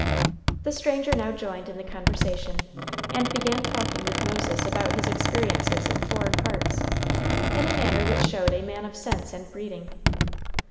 The stranger now joined in the conversation, and began talking with Moses about his experiences in foreign parts, in a manner which showed a man of sense and breeding.